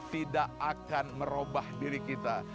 tidak akan merubah diri kita